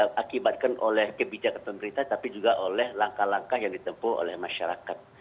diakibatkan oleh kebijakan pemerintah tapi juga oleh langkah langkah yang ditempuh oleh masyarakat